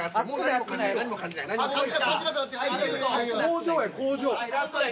工場や工場。